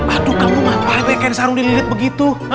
aduh kamu mah kayak sarung di lilit begitu